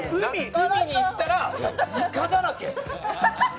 海にいったら、いかだらけ。